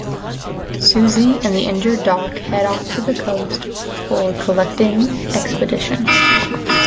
Suzy and the injured Doc head off to the coast for the collecting expedition.